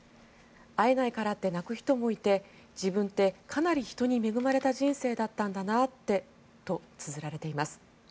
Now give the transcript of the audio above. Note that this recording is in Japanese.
会えないからって泣く人もいて自分ってかなり人に恵まれた人生だったんだなってとつづられています。